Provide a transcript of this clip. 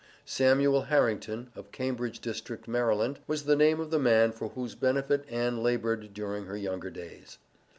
Samuel Harrington, of Cambridge District, Maryland, was the name of the man for whose benefit Ann labored during her younger days.